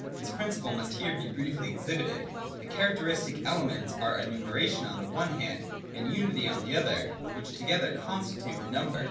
(This principle must here be briefly exhibited.) These characteristic elements are Annumeration on the one hand, and Unity on the 102.] NUMBER. 191 other, which together constitute number.